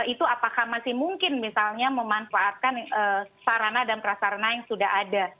itu apakah masih mungkin misalnya memanfaatkan sarana dan prasarana yang sudah ada